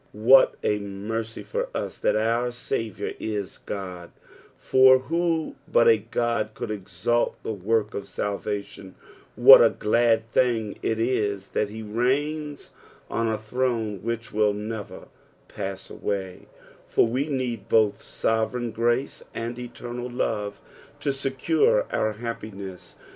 What a mercy fur ua that our Saviour is Ood, for who but a Ood could execute the work of salvation t What a glad thing it is that he reigns on a throne which will never pass awuy, for we need both sovereign grace and eternal love to secure our happiness.